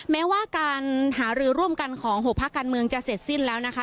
แม้ว่าการหารือร่วมกันของ๖ภาคการเมืองจะเสร็จสิ้นแล้วนะคะ